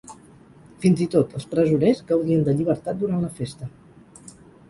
Fins i tot els presoners gaudien de llibertat durant la festa.